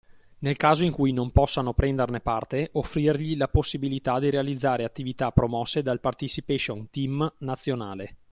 Nel caso in cui non possano prenderne parte, offrirgli la possibilità di realizzare attività promosse dal participation team nazionale.